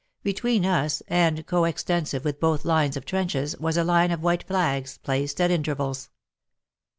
Between us, and co extensive with both lines of trenches, was a line of white flags placed at intervals.